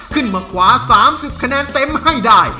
ขึ้นมาขวา๓๐คะแนนเต็มให้ได้